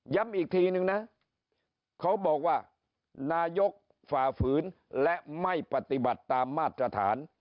อีกทีนึงนะเขาบอกว่านายกฝ่าฝืนและไม่ปฏิบัติตามมาตรฐาน